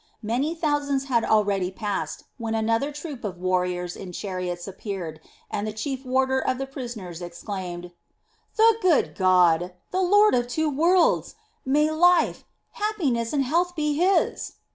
Many thousands had already passed, when another troop of warriors in chariots appeared, and the chief warder of the prisoners exclaimed: "The good god! The lord of two worlds! May life, happiness, and health be his!"